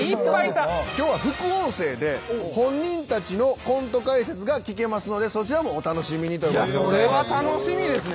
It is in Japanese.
今日は副音声で本人たちのコント解説が聞けますのでそちらもお楽しみにということでございます。